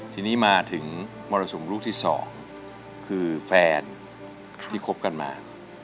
ทีนี้มาถึงมรสุมลูกที่๒คือแฟนที่คบกันมา